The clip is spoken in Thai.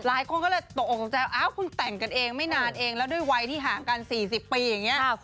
หลายคนก็เลยตกออกตกใจอ้าวเพิ่งแต่งกันเองไม่นานเองแล้วด้วยวัยที่ห่างกัน๔๐ปีอย่างนี้